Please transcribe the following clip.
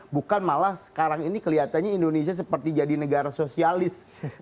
bukan malah sekarang ini kelihatannya indonesia seperti jadi negara sosialis